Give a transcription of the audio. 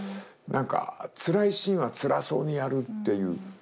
何かつらいシーンはつらそうにやるっていう。